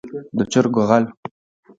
د چرګو غل.